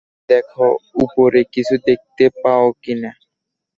দেখো উপরে কিছু দেখতে পাও কিনা।